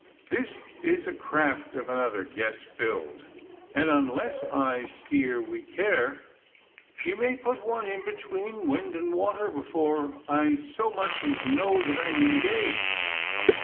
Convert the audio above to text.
This is a craft of another guess build, and unless I steer wi' care she may put one in between wind and water before I so much as know that I am engaged.